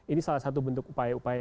ini salah satu bentuk upaya upaya